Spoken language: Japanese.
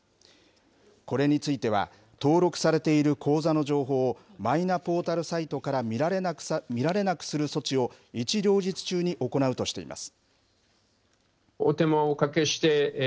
これについては、登録されている口座の情報をマイナポータルサイトから見られなくする措置を一両日中に行うとしています。